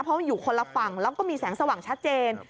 เพราะอยู่คนละฝั่งแล้วก็มีแสงสว่างชัดเจน